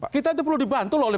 kita itu perlu dibantu oleh